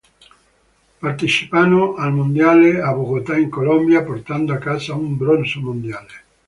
Partecipano al mondiale a Bogotà in Colombia portando a casa un bronzo mondiale.